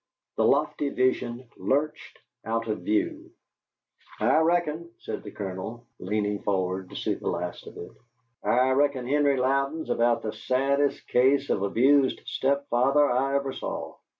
The lofty vision lurched out of view. "I reckon," said the Colonel, leaning forward to see the last of it "I reckon Henry Louden's about the saddest case of abused step father I ever saw."